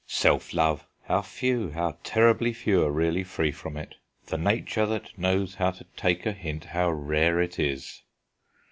Self love! how few, how terribly few, are really free from it! The nature that knows how to take a hint, how rare it is!"